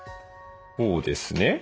こうですね。